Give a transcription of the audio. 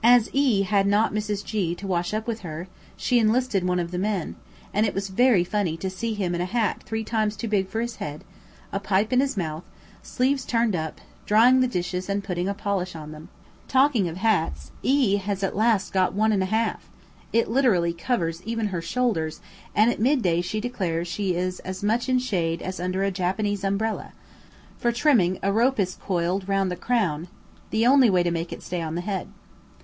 As E had not Mrs. G to wash up with her, she enlisted one of the men, and it was very funny to see him in a hat three times too big for his head, pipe in his mouth, sleeves turned up, drying the dishes and putting a polish on them. Talking of hats, E has at last got one and a half, it literally covers even her shoulders, and at midday she declares she is as much in shade as under a Japanese umbrella; for trimming a rope is coiled round the crown, the only way to make it stay on the head.